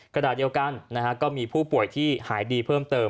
ขณะเดียวกันก็มีผู้ป่วยที่หายดีเพิ่มเติม